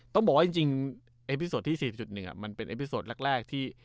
ต้องบอกว่าจริงจริงที่สี่สิบจุดหนึ่งอ่ะมันเป็นแรกแรกที่